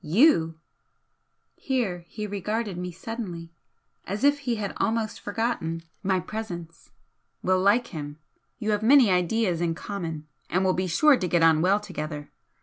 You" here he regarded me suddenly, as if he had almost forgotten my presence "will like him. You have many ideas in common and will be sure to get on well together.